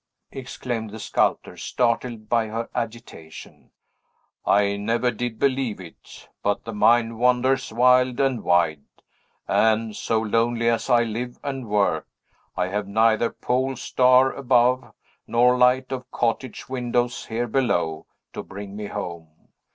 exclaimed the sculptor, startled by her agitation; "I never did believe it! But the mind wanders wild and wide; and, so lonely as I live and work, I have neither pole star above nor light of cottage windows here below, to bring me home.